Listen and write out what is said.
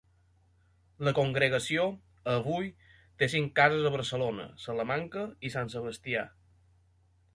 La congregació avui té cinc cases a Barcelona, Salamanca i Sant Sebastià.